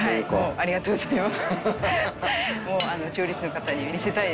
ありがとうございます。